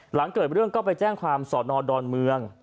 หลังเกิดเรื่องก็ไปแจ้งความสอนอดอนเมือง